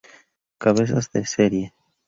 Cabezas de serie